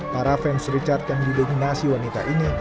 para fans richard yang didominasi wanita ini